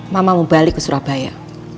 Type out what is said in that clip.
mama mau balik ke surabaya